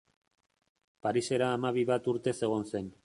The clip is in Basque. Parisera hamabi bat urtez egon zen.